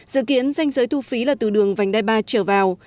dự kiến danh giới thu phí là từ đường vành đai ba trở vào